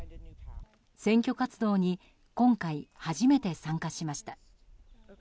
選挙活動に今回初めて参加しました。